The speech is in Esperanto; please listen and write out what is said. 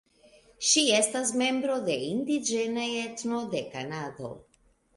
Ŝi estas membro de indiĝena etno de Kanado.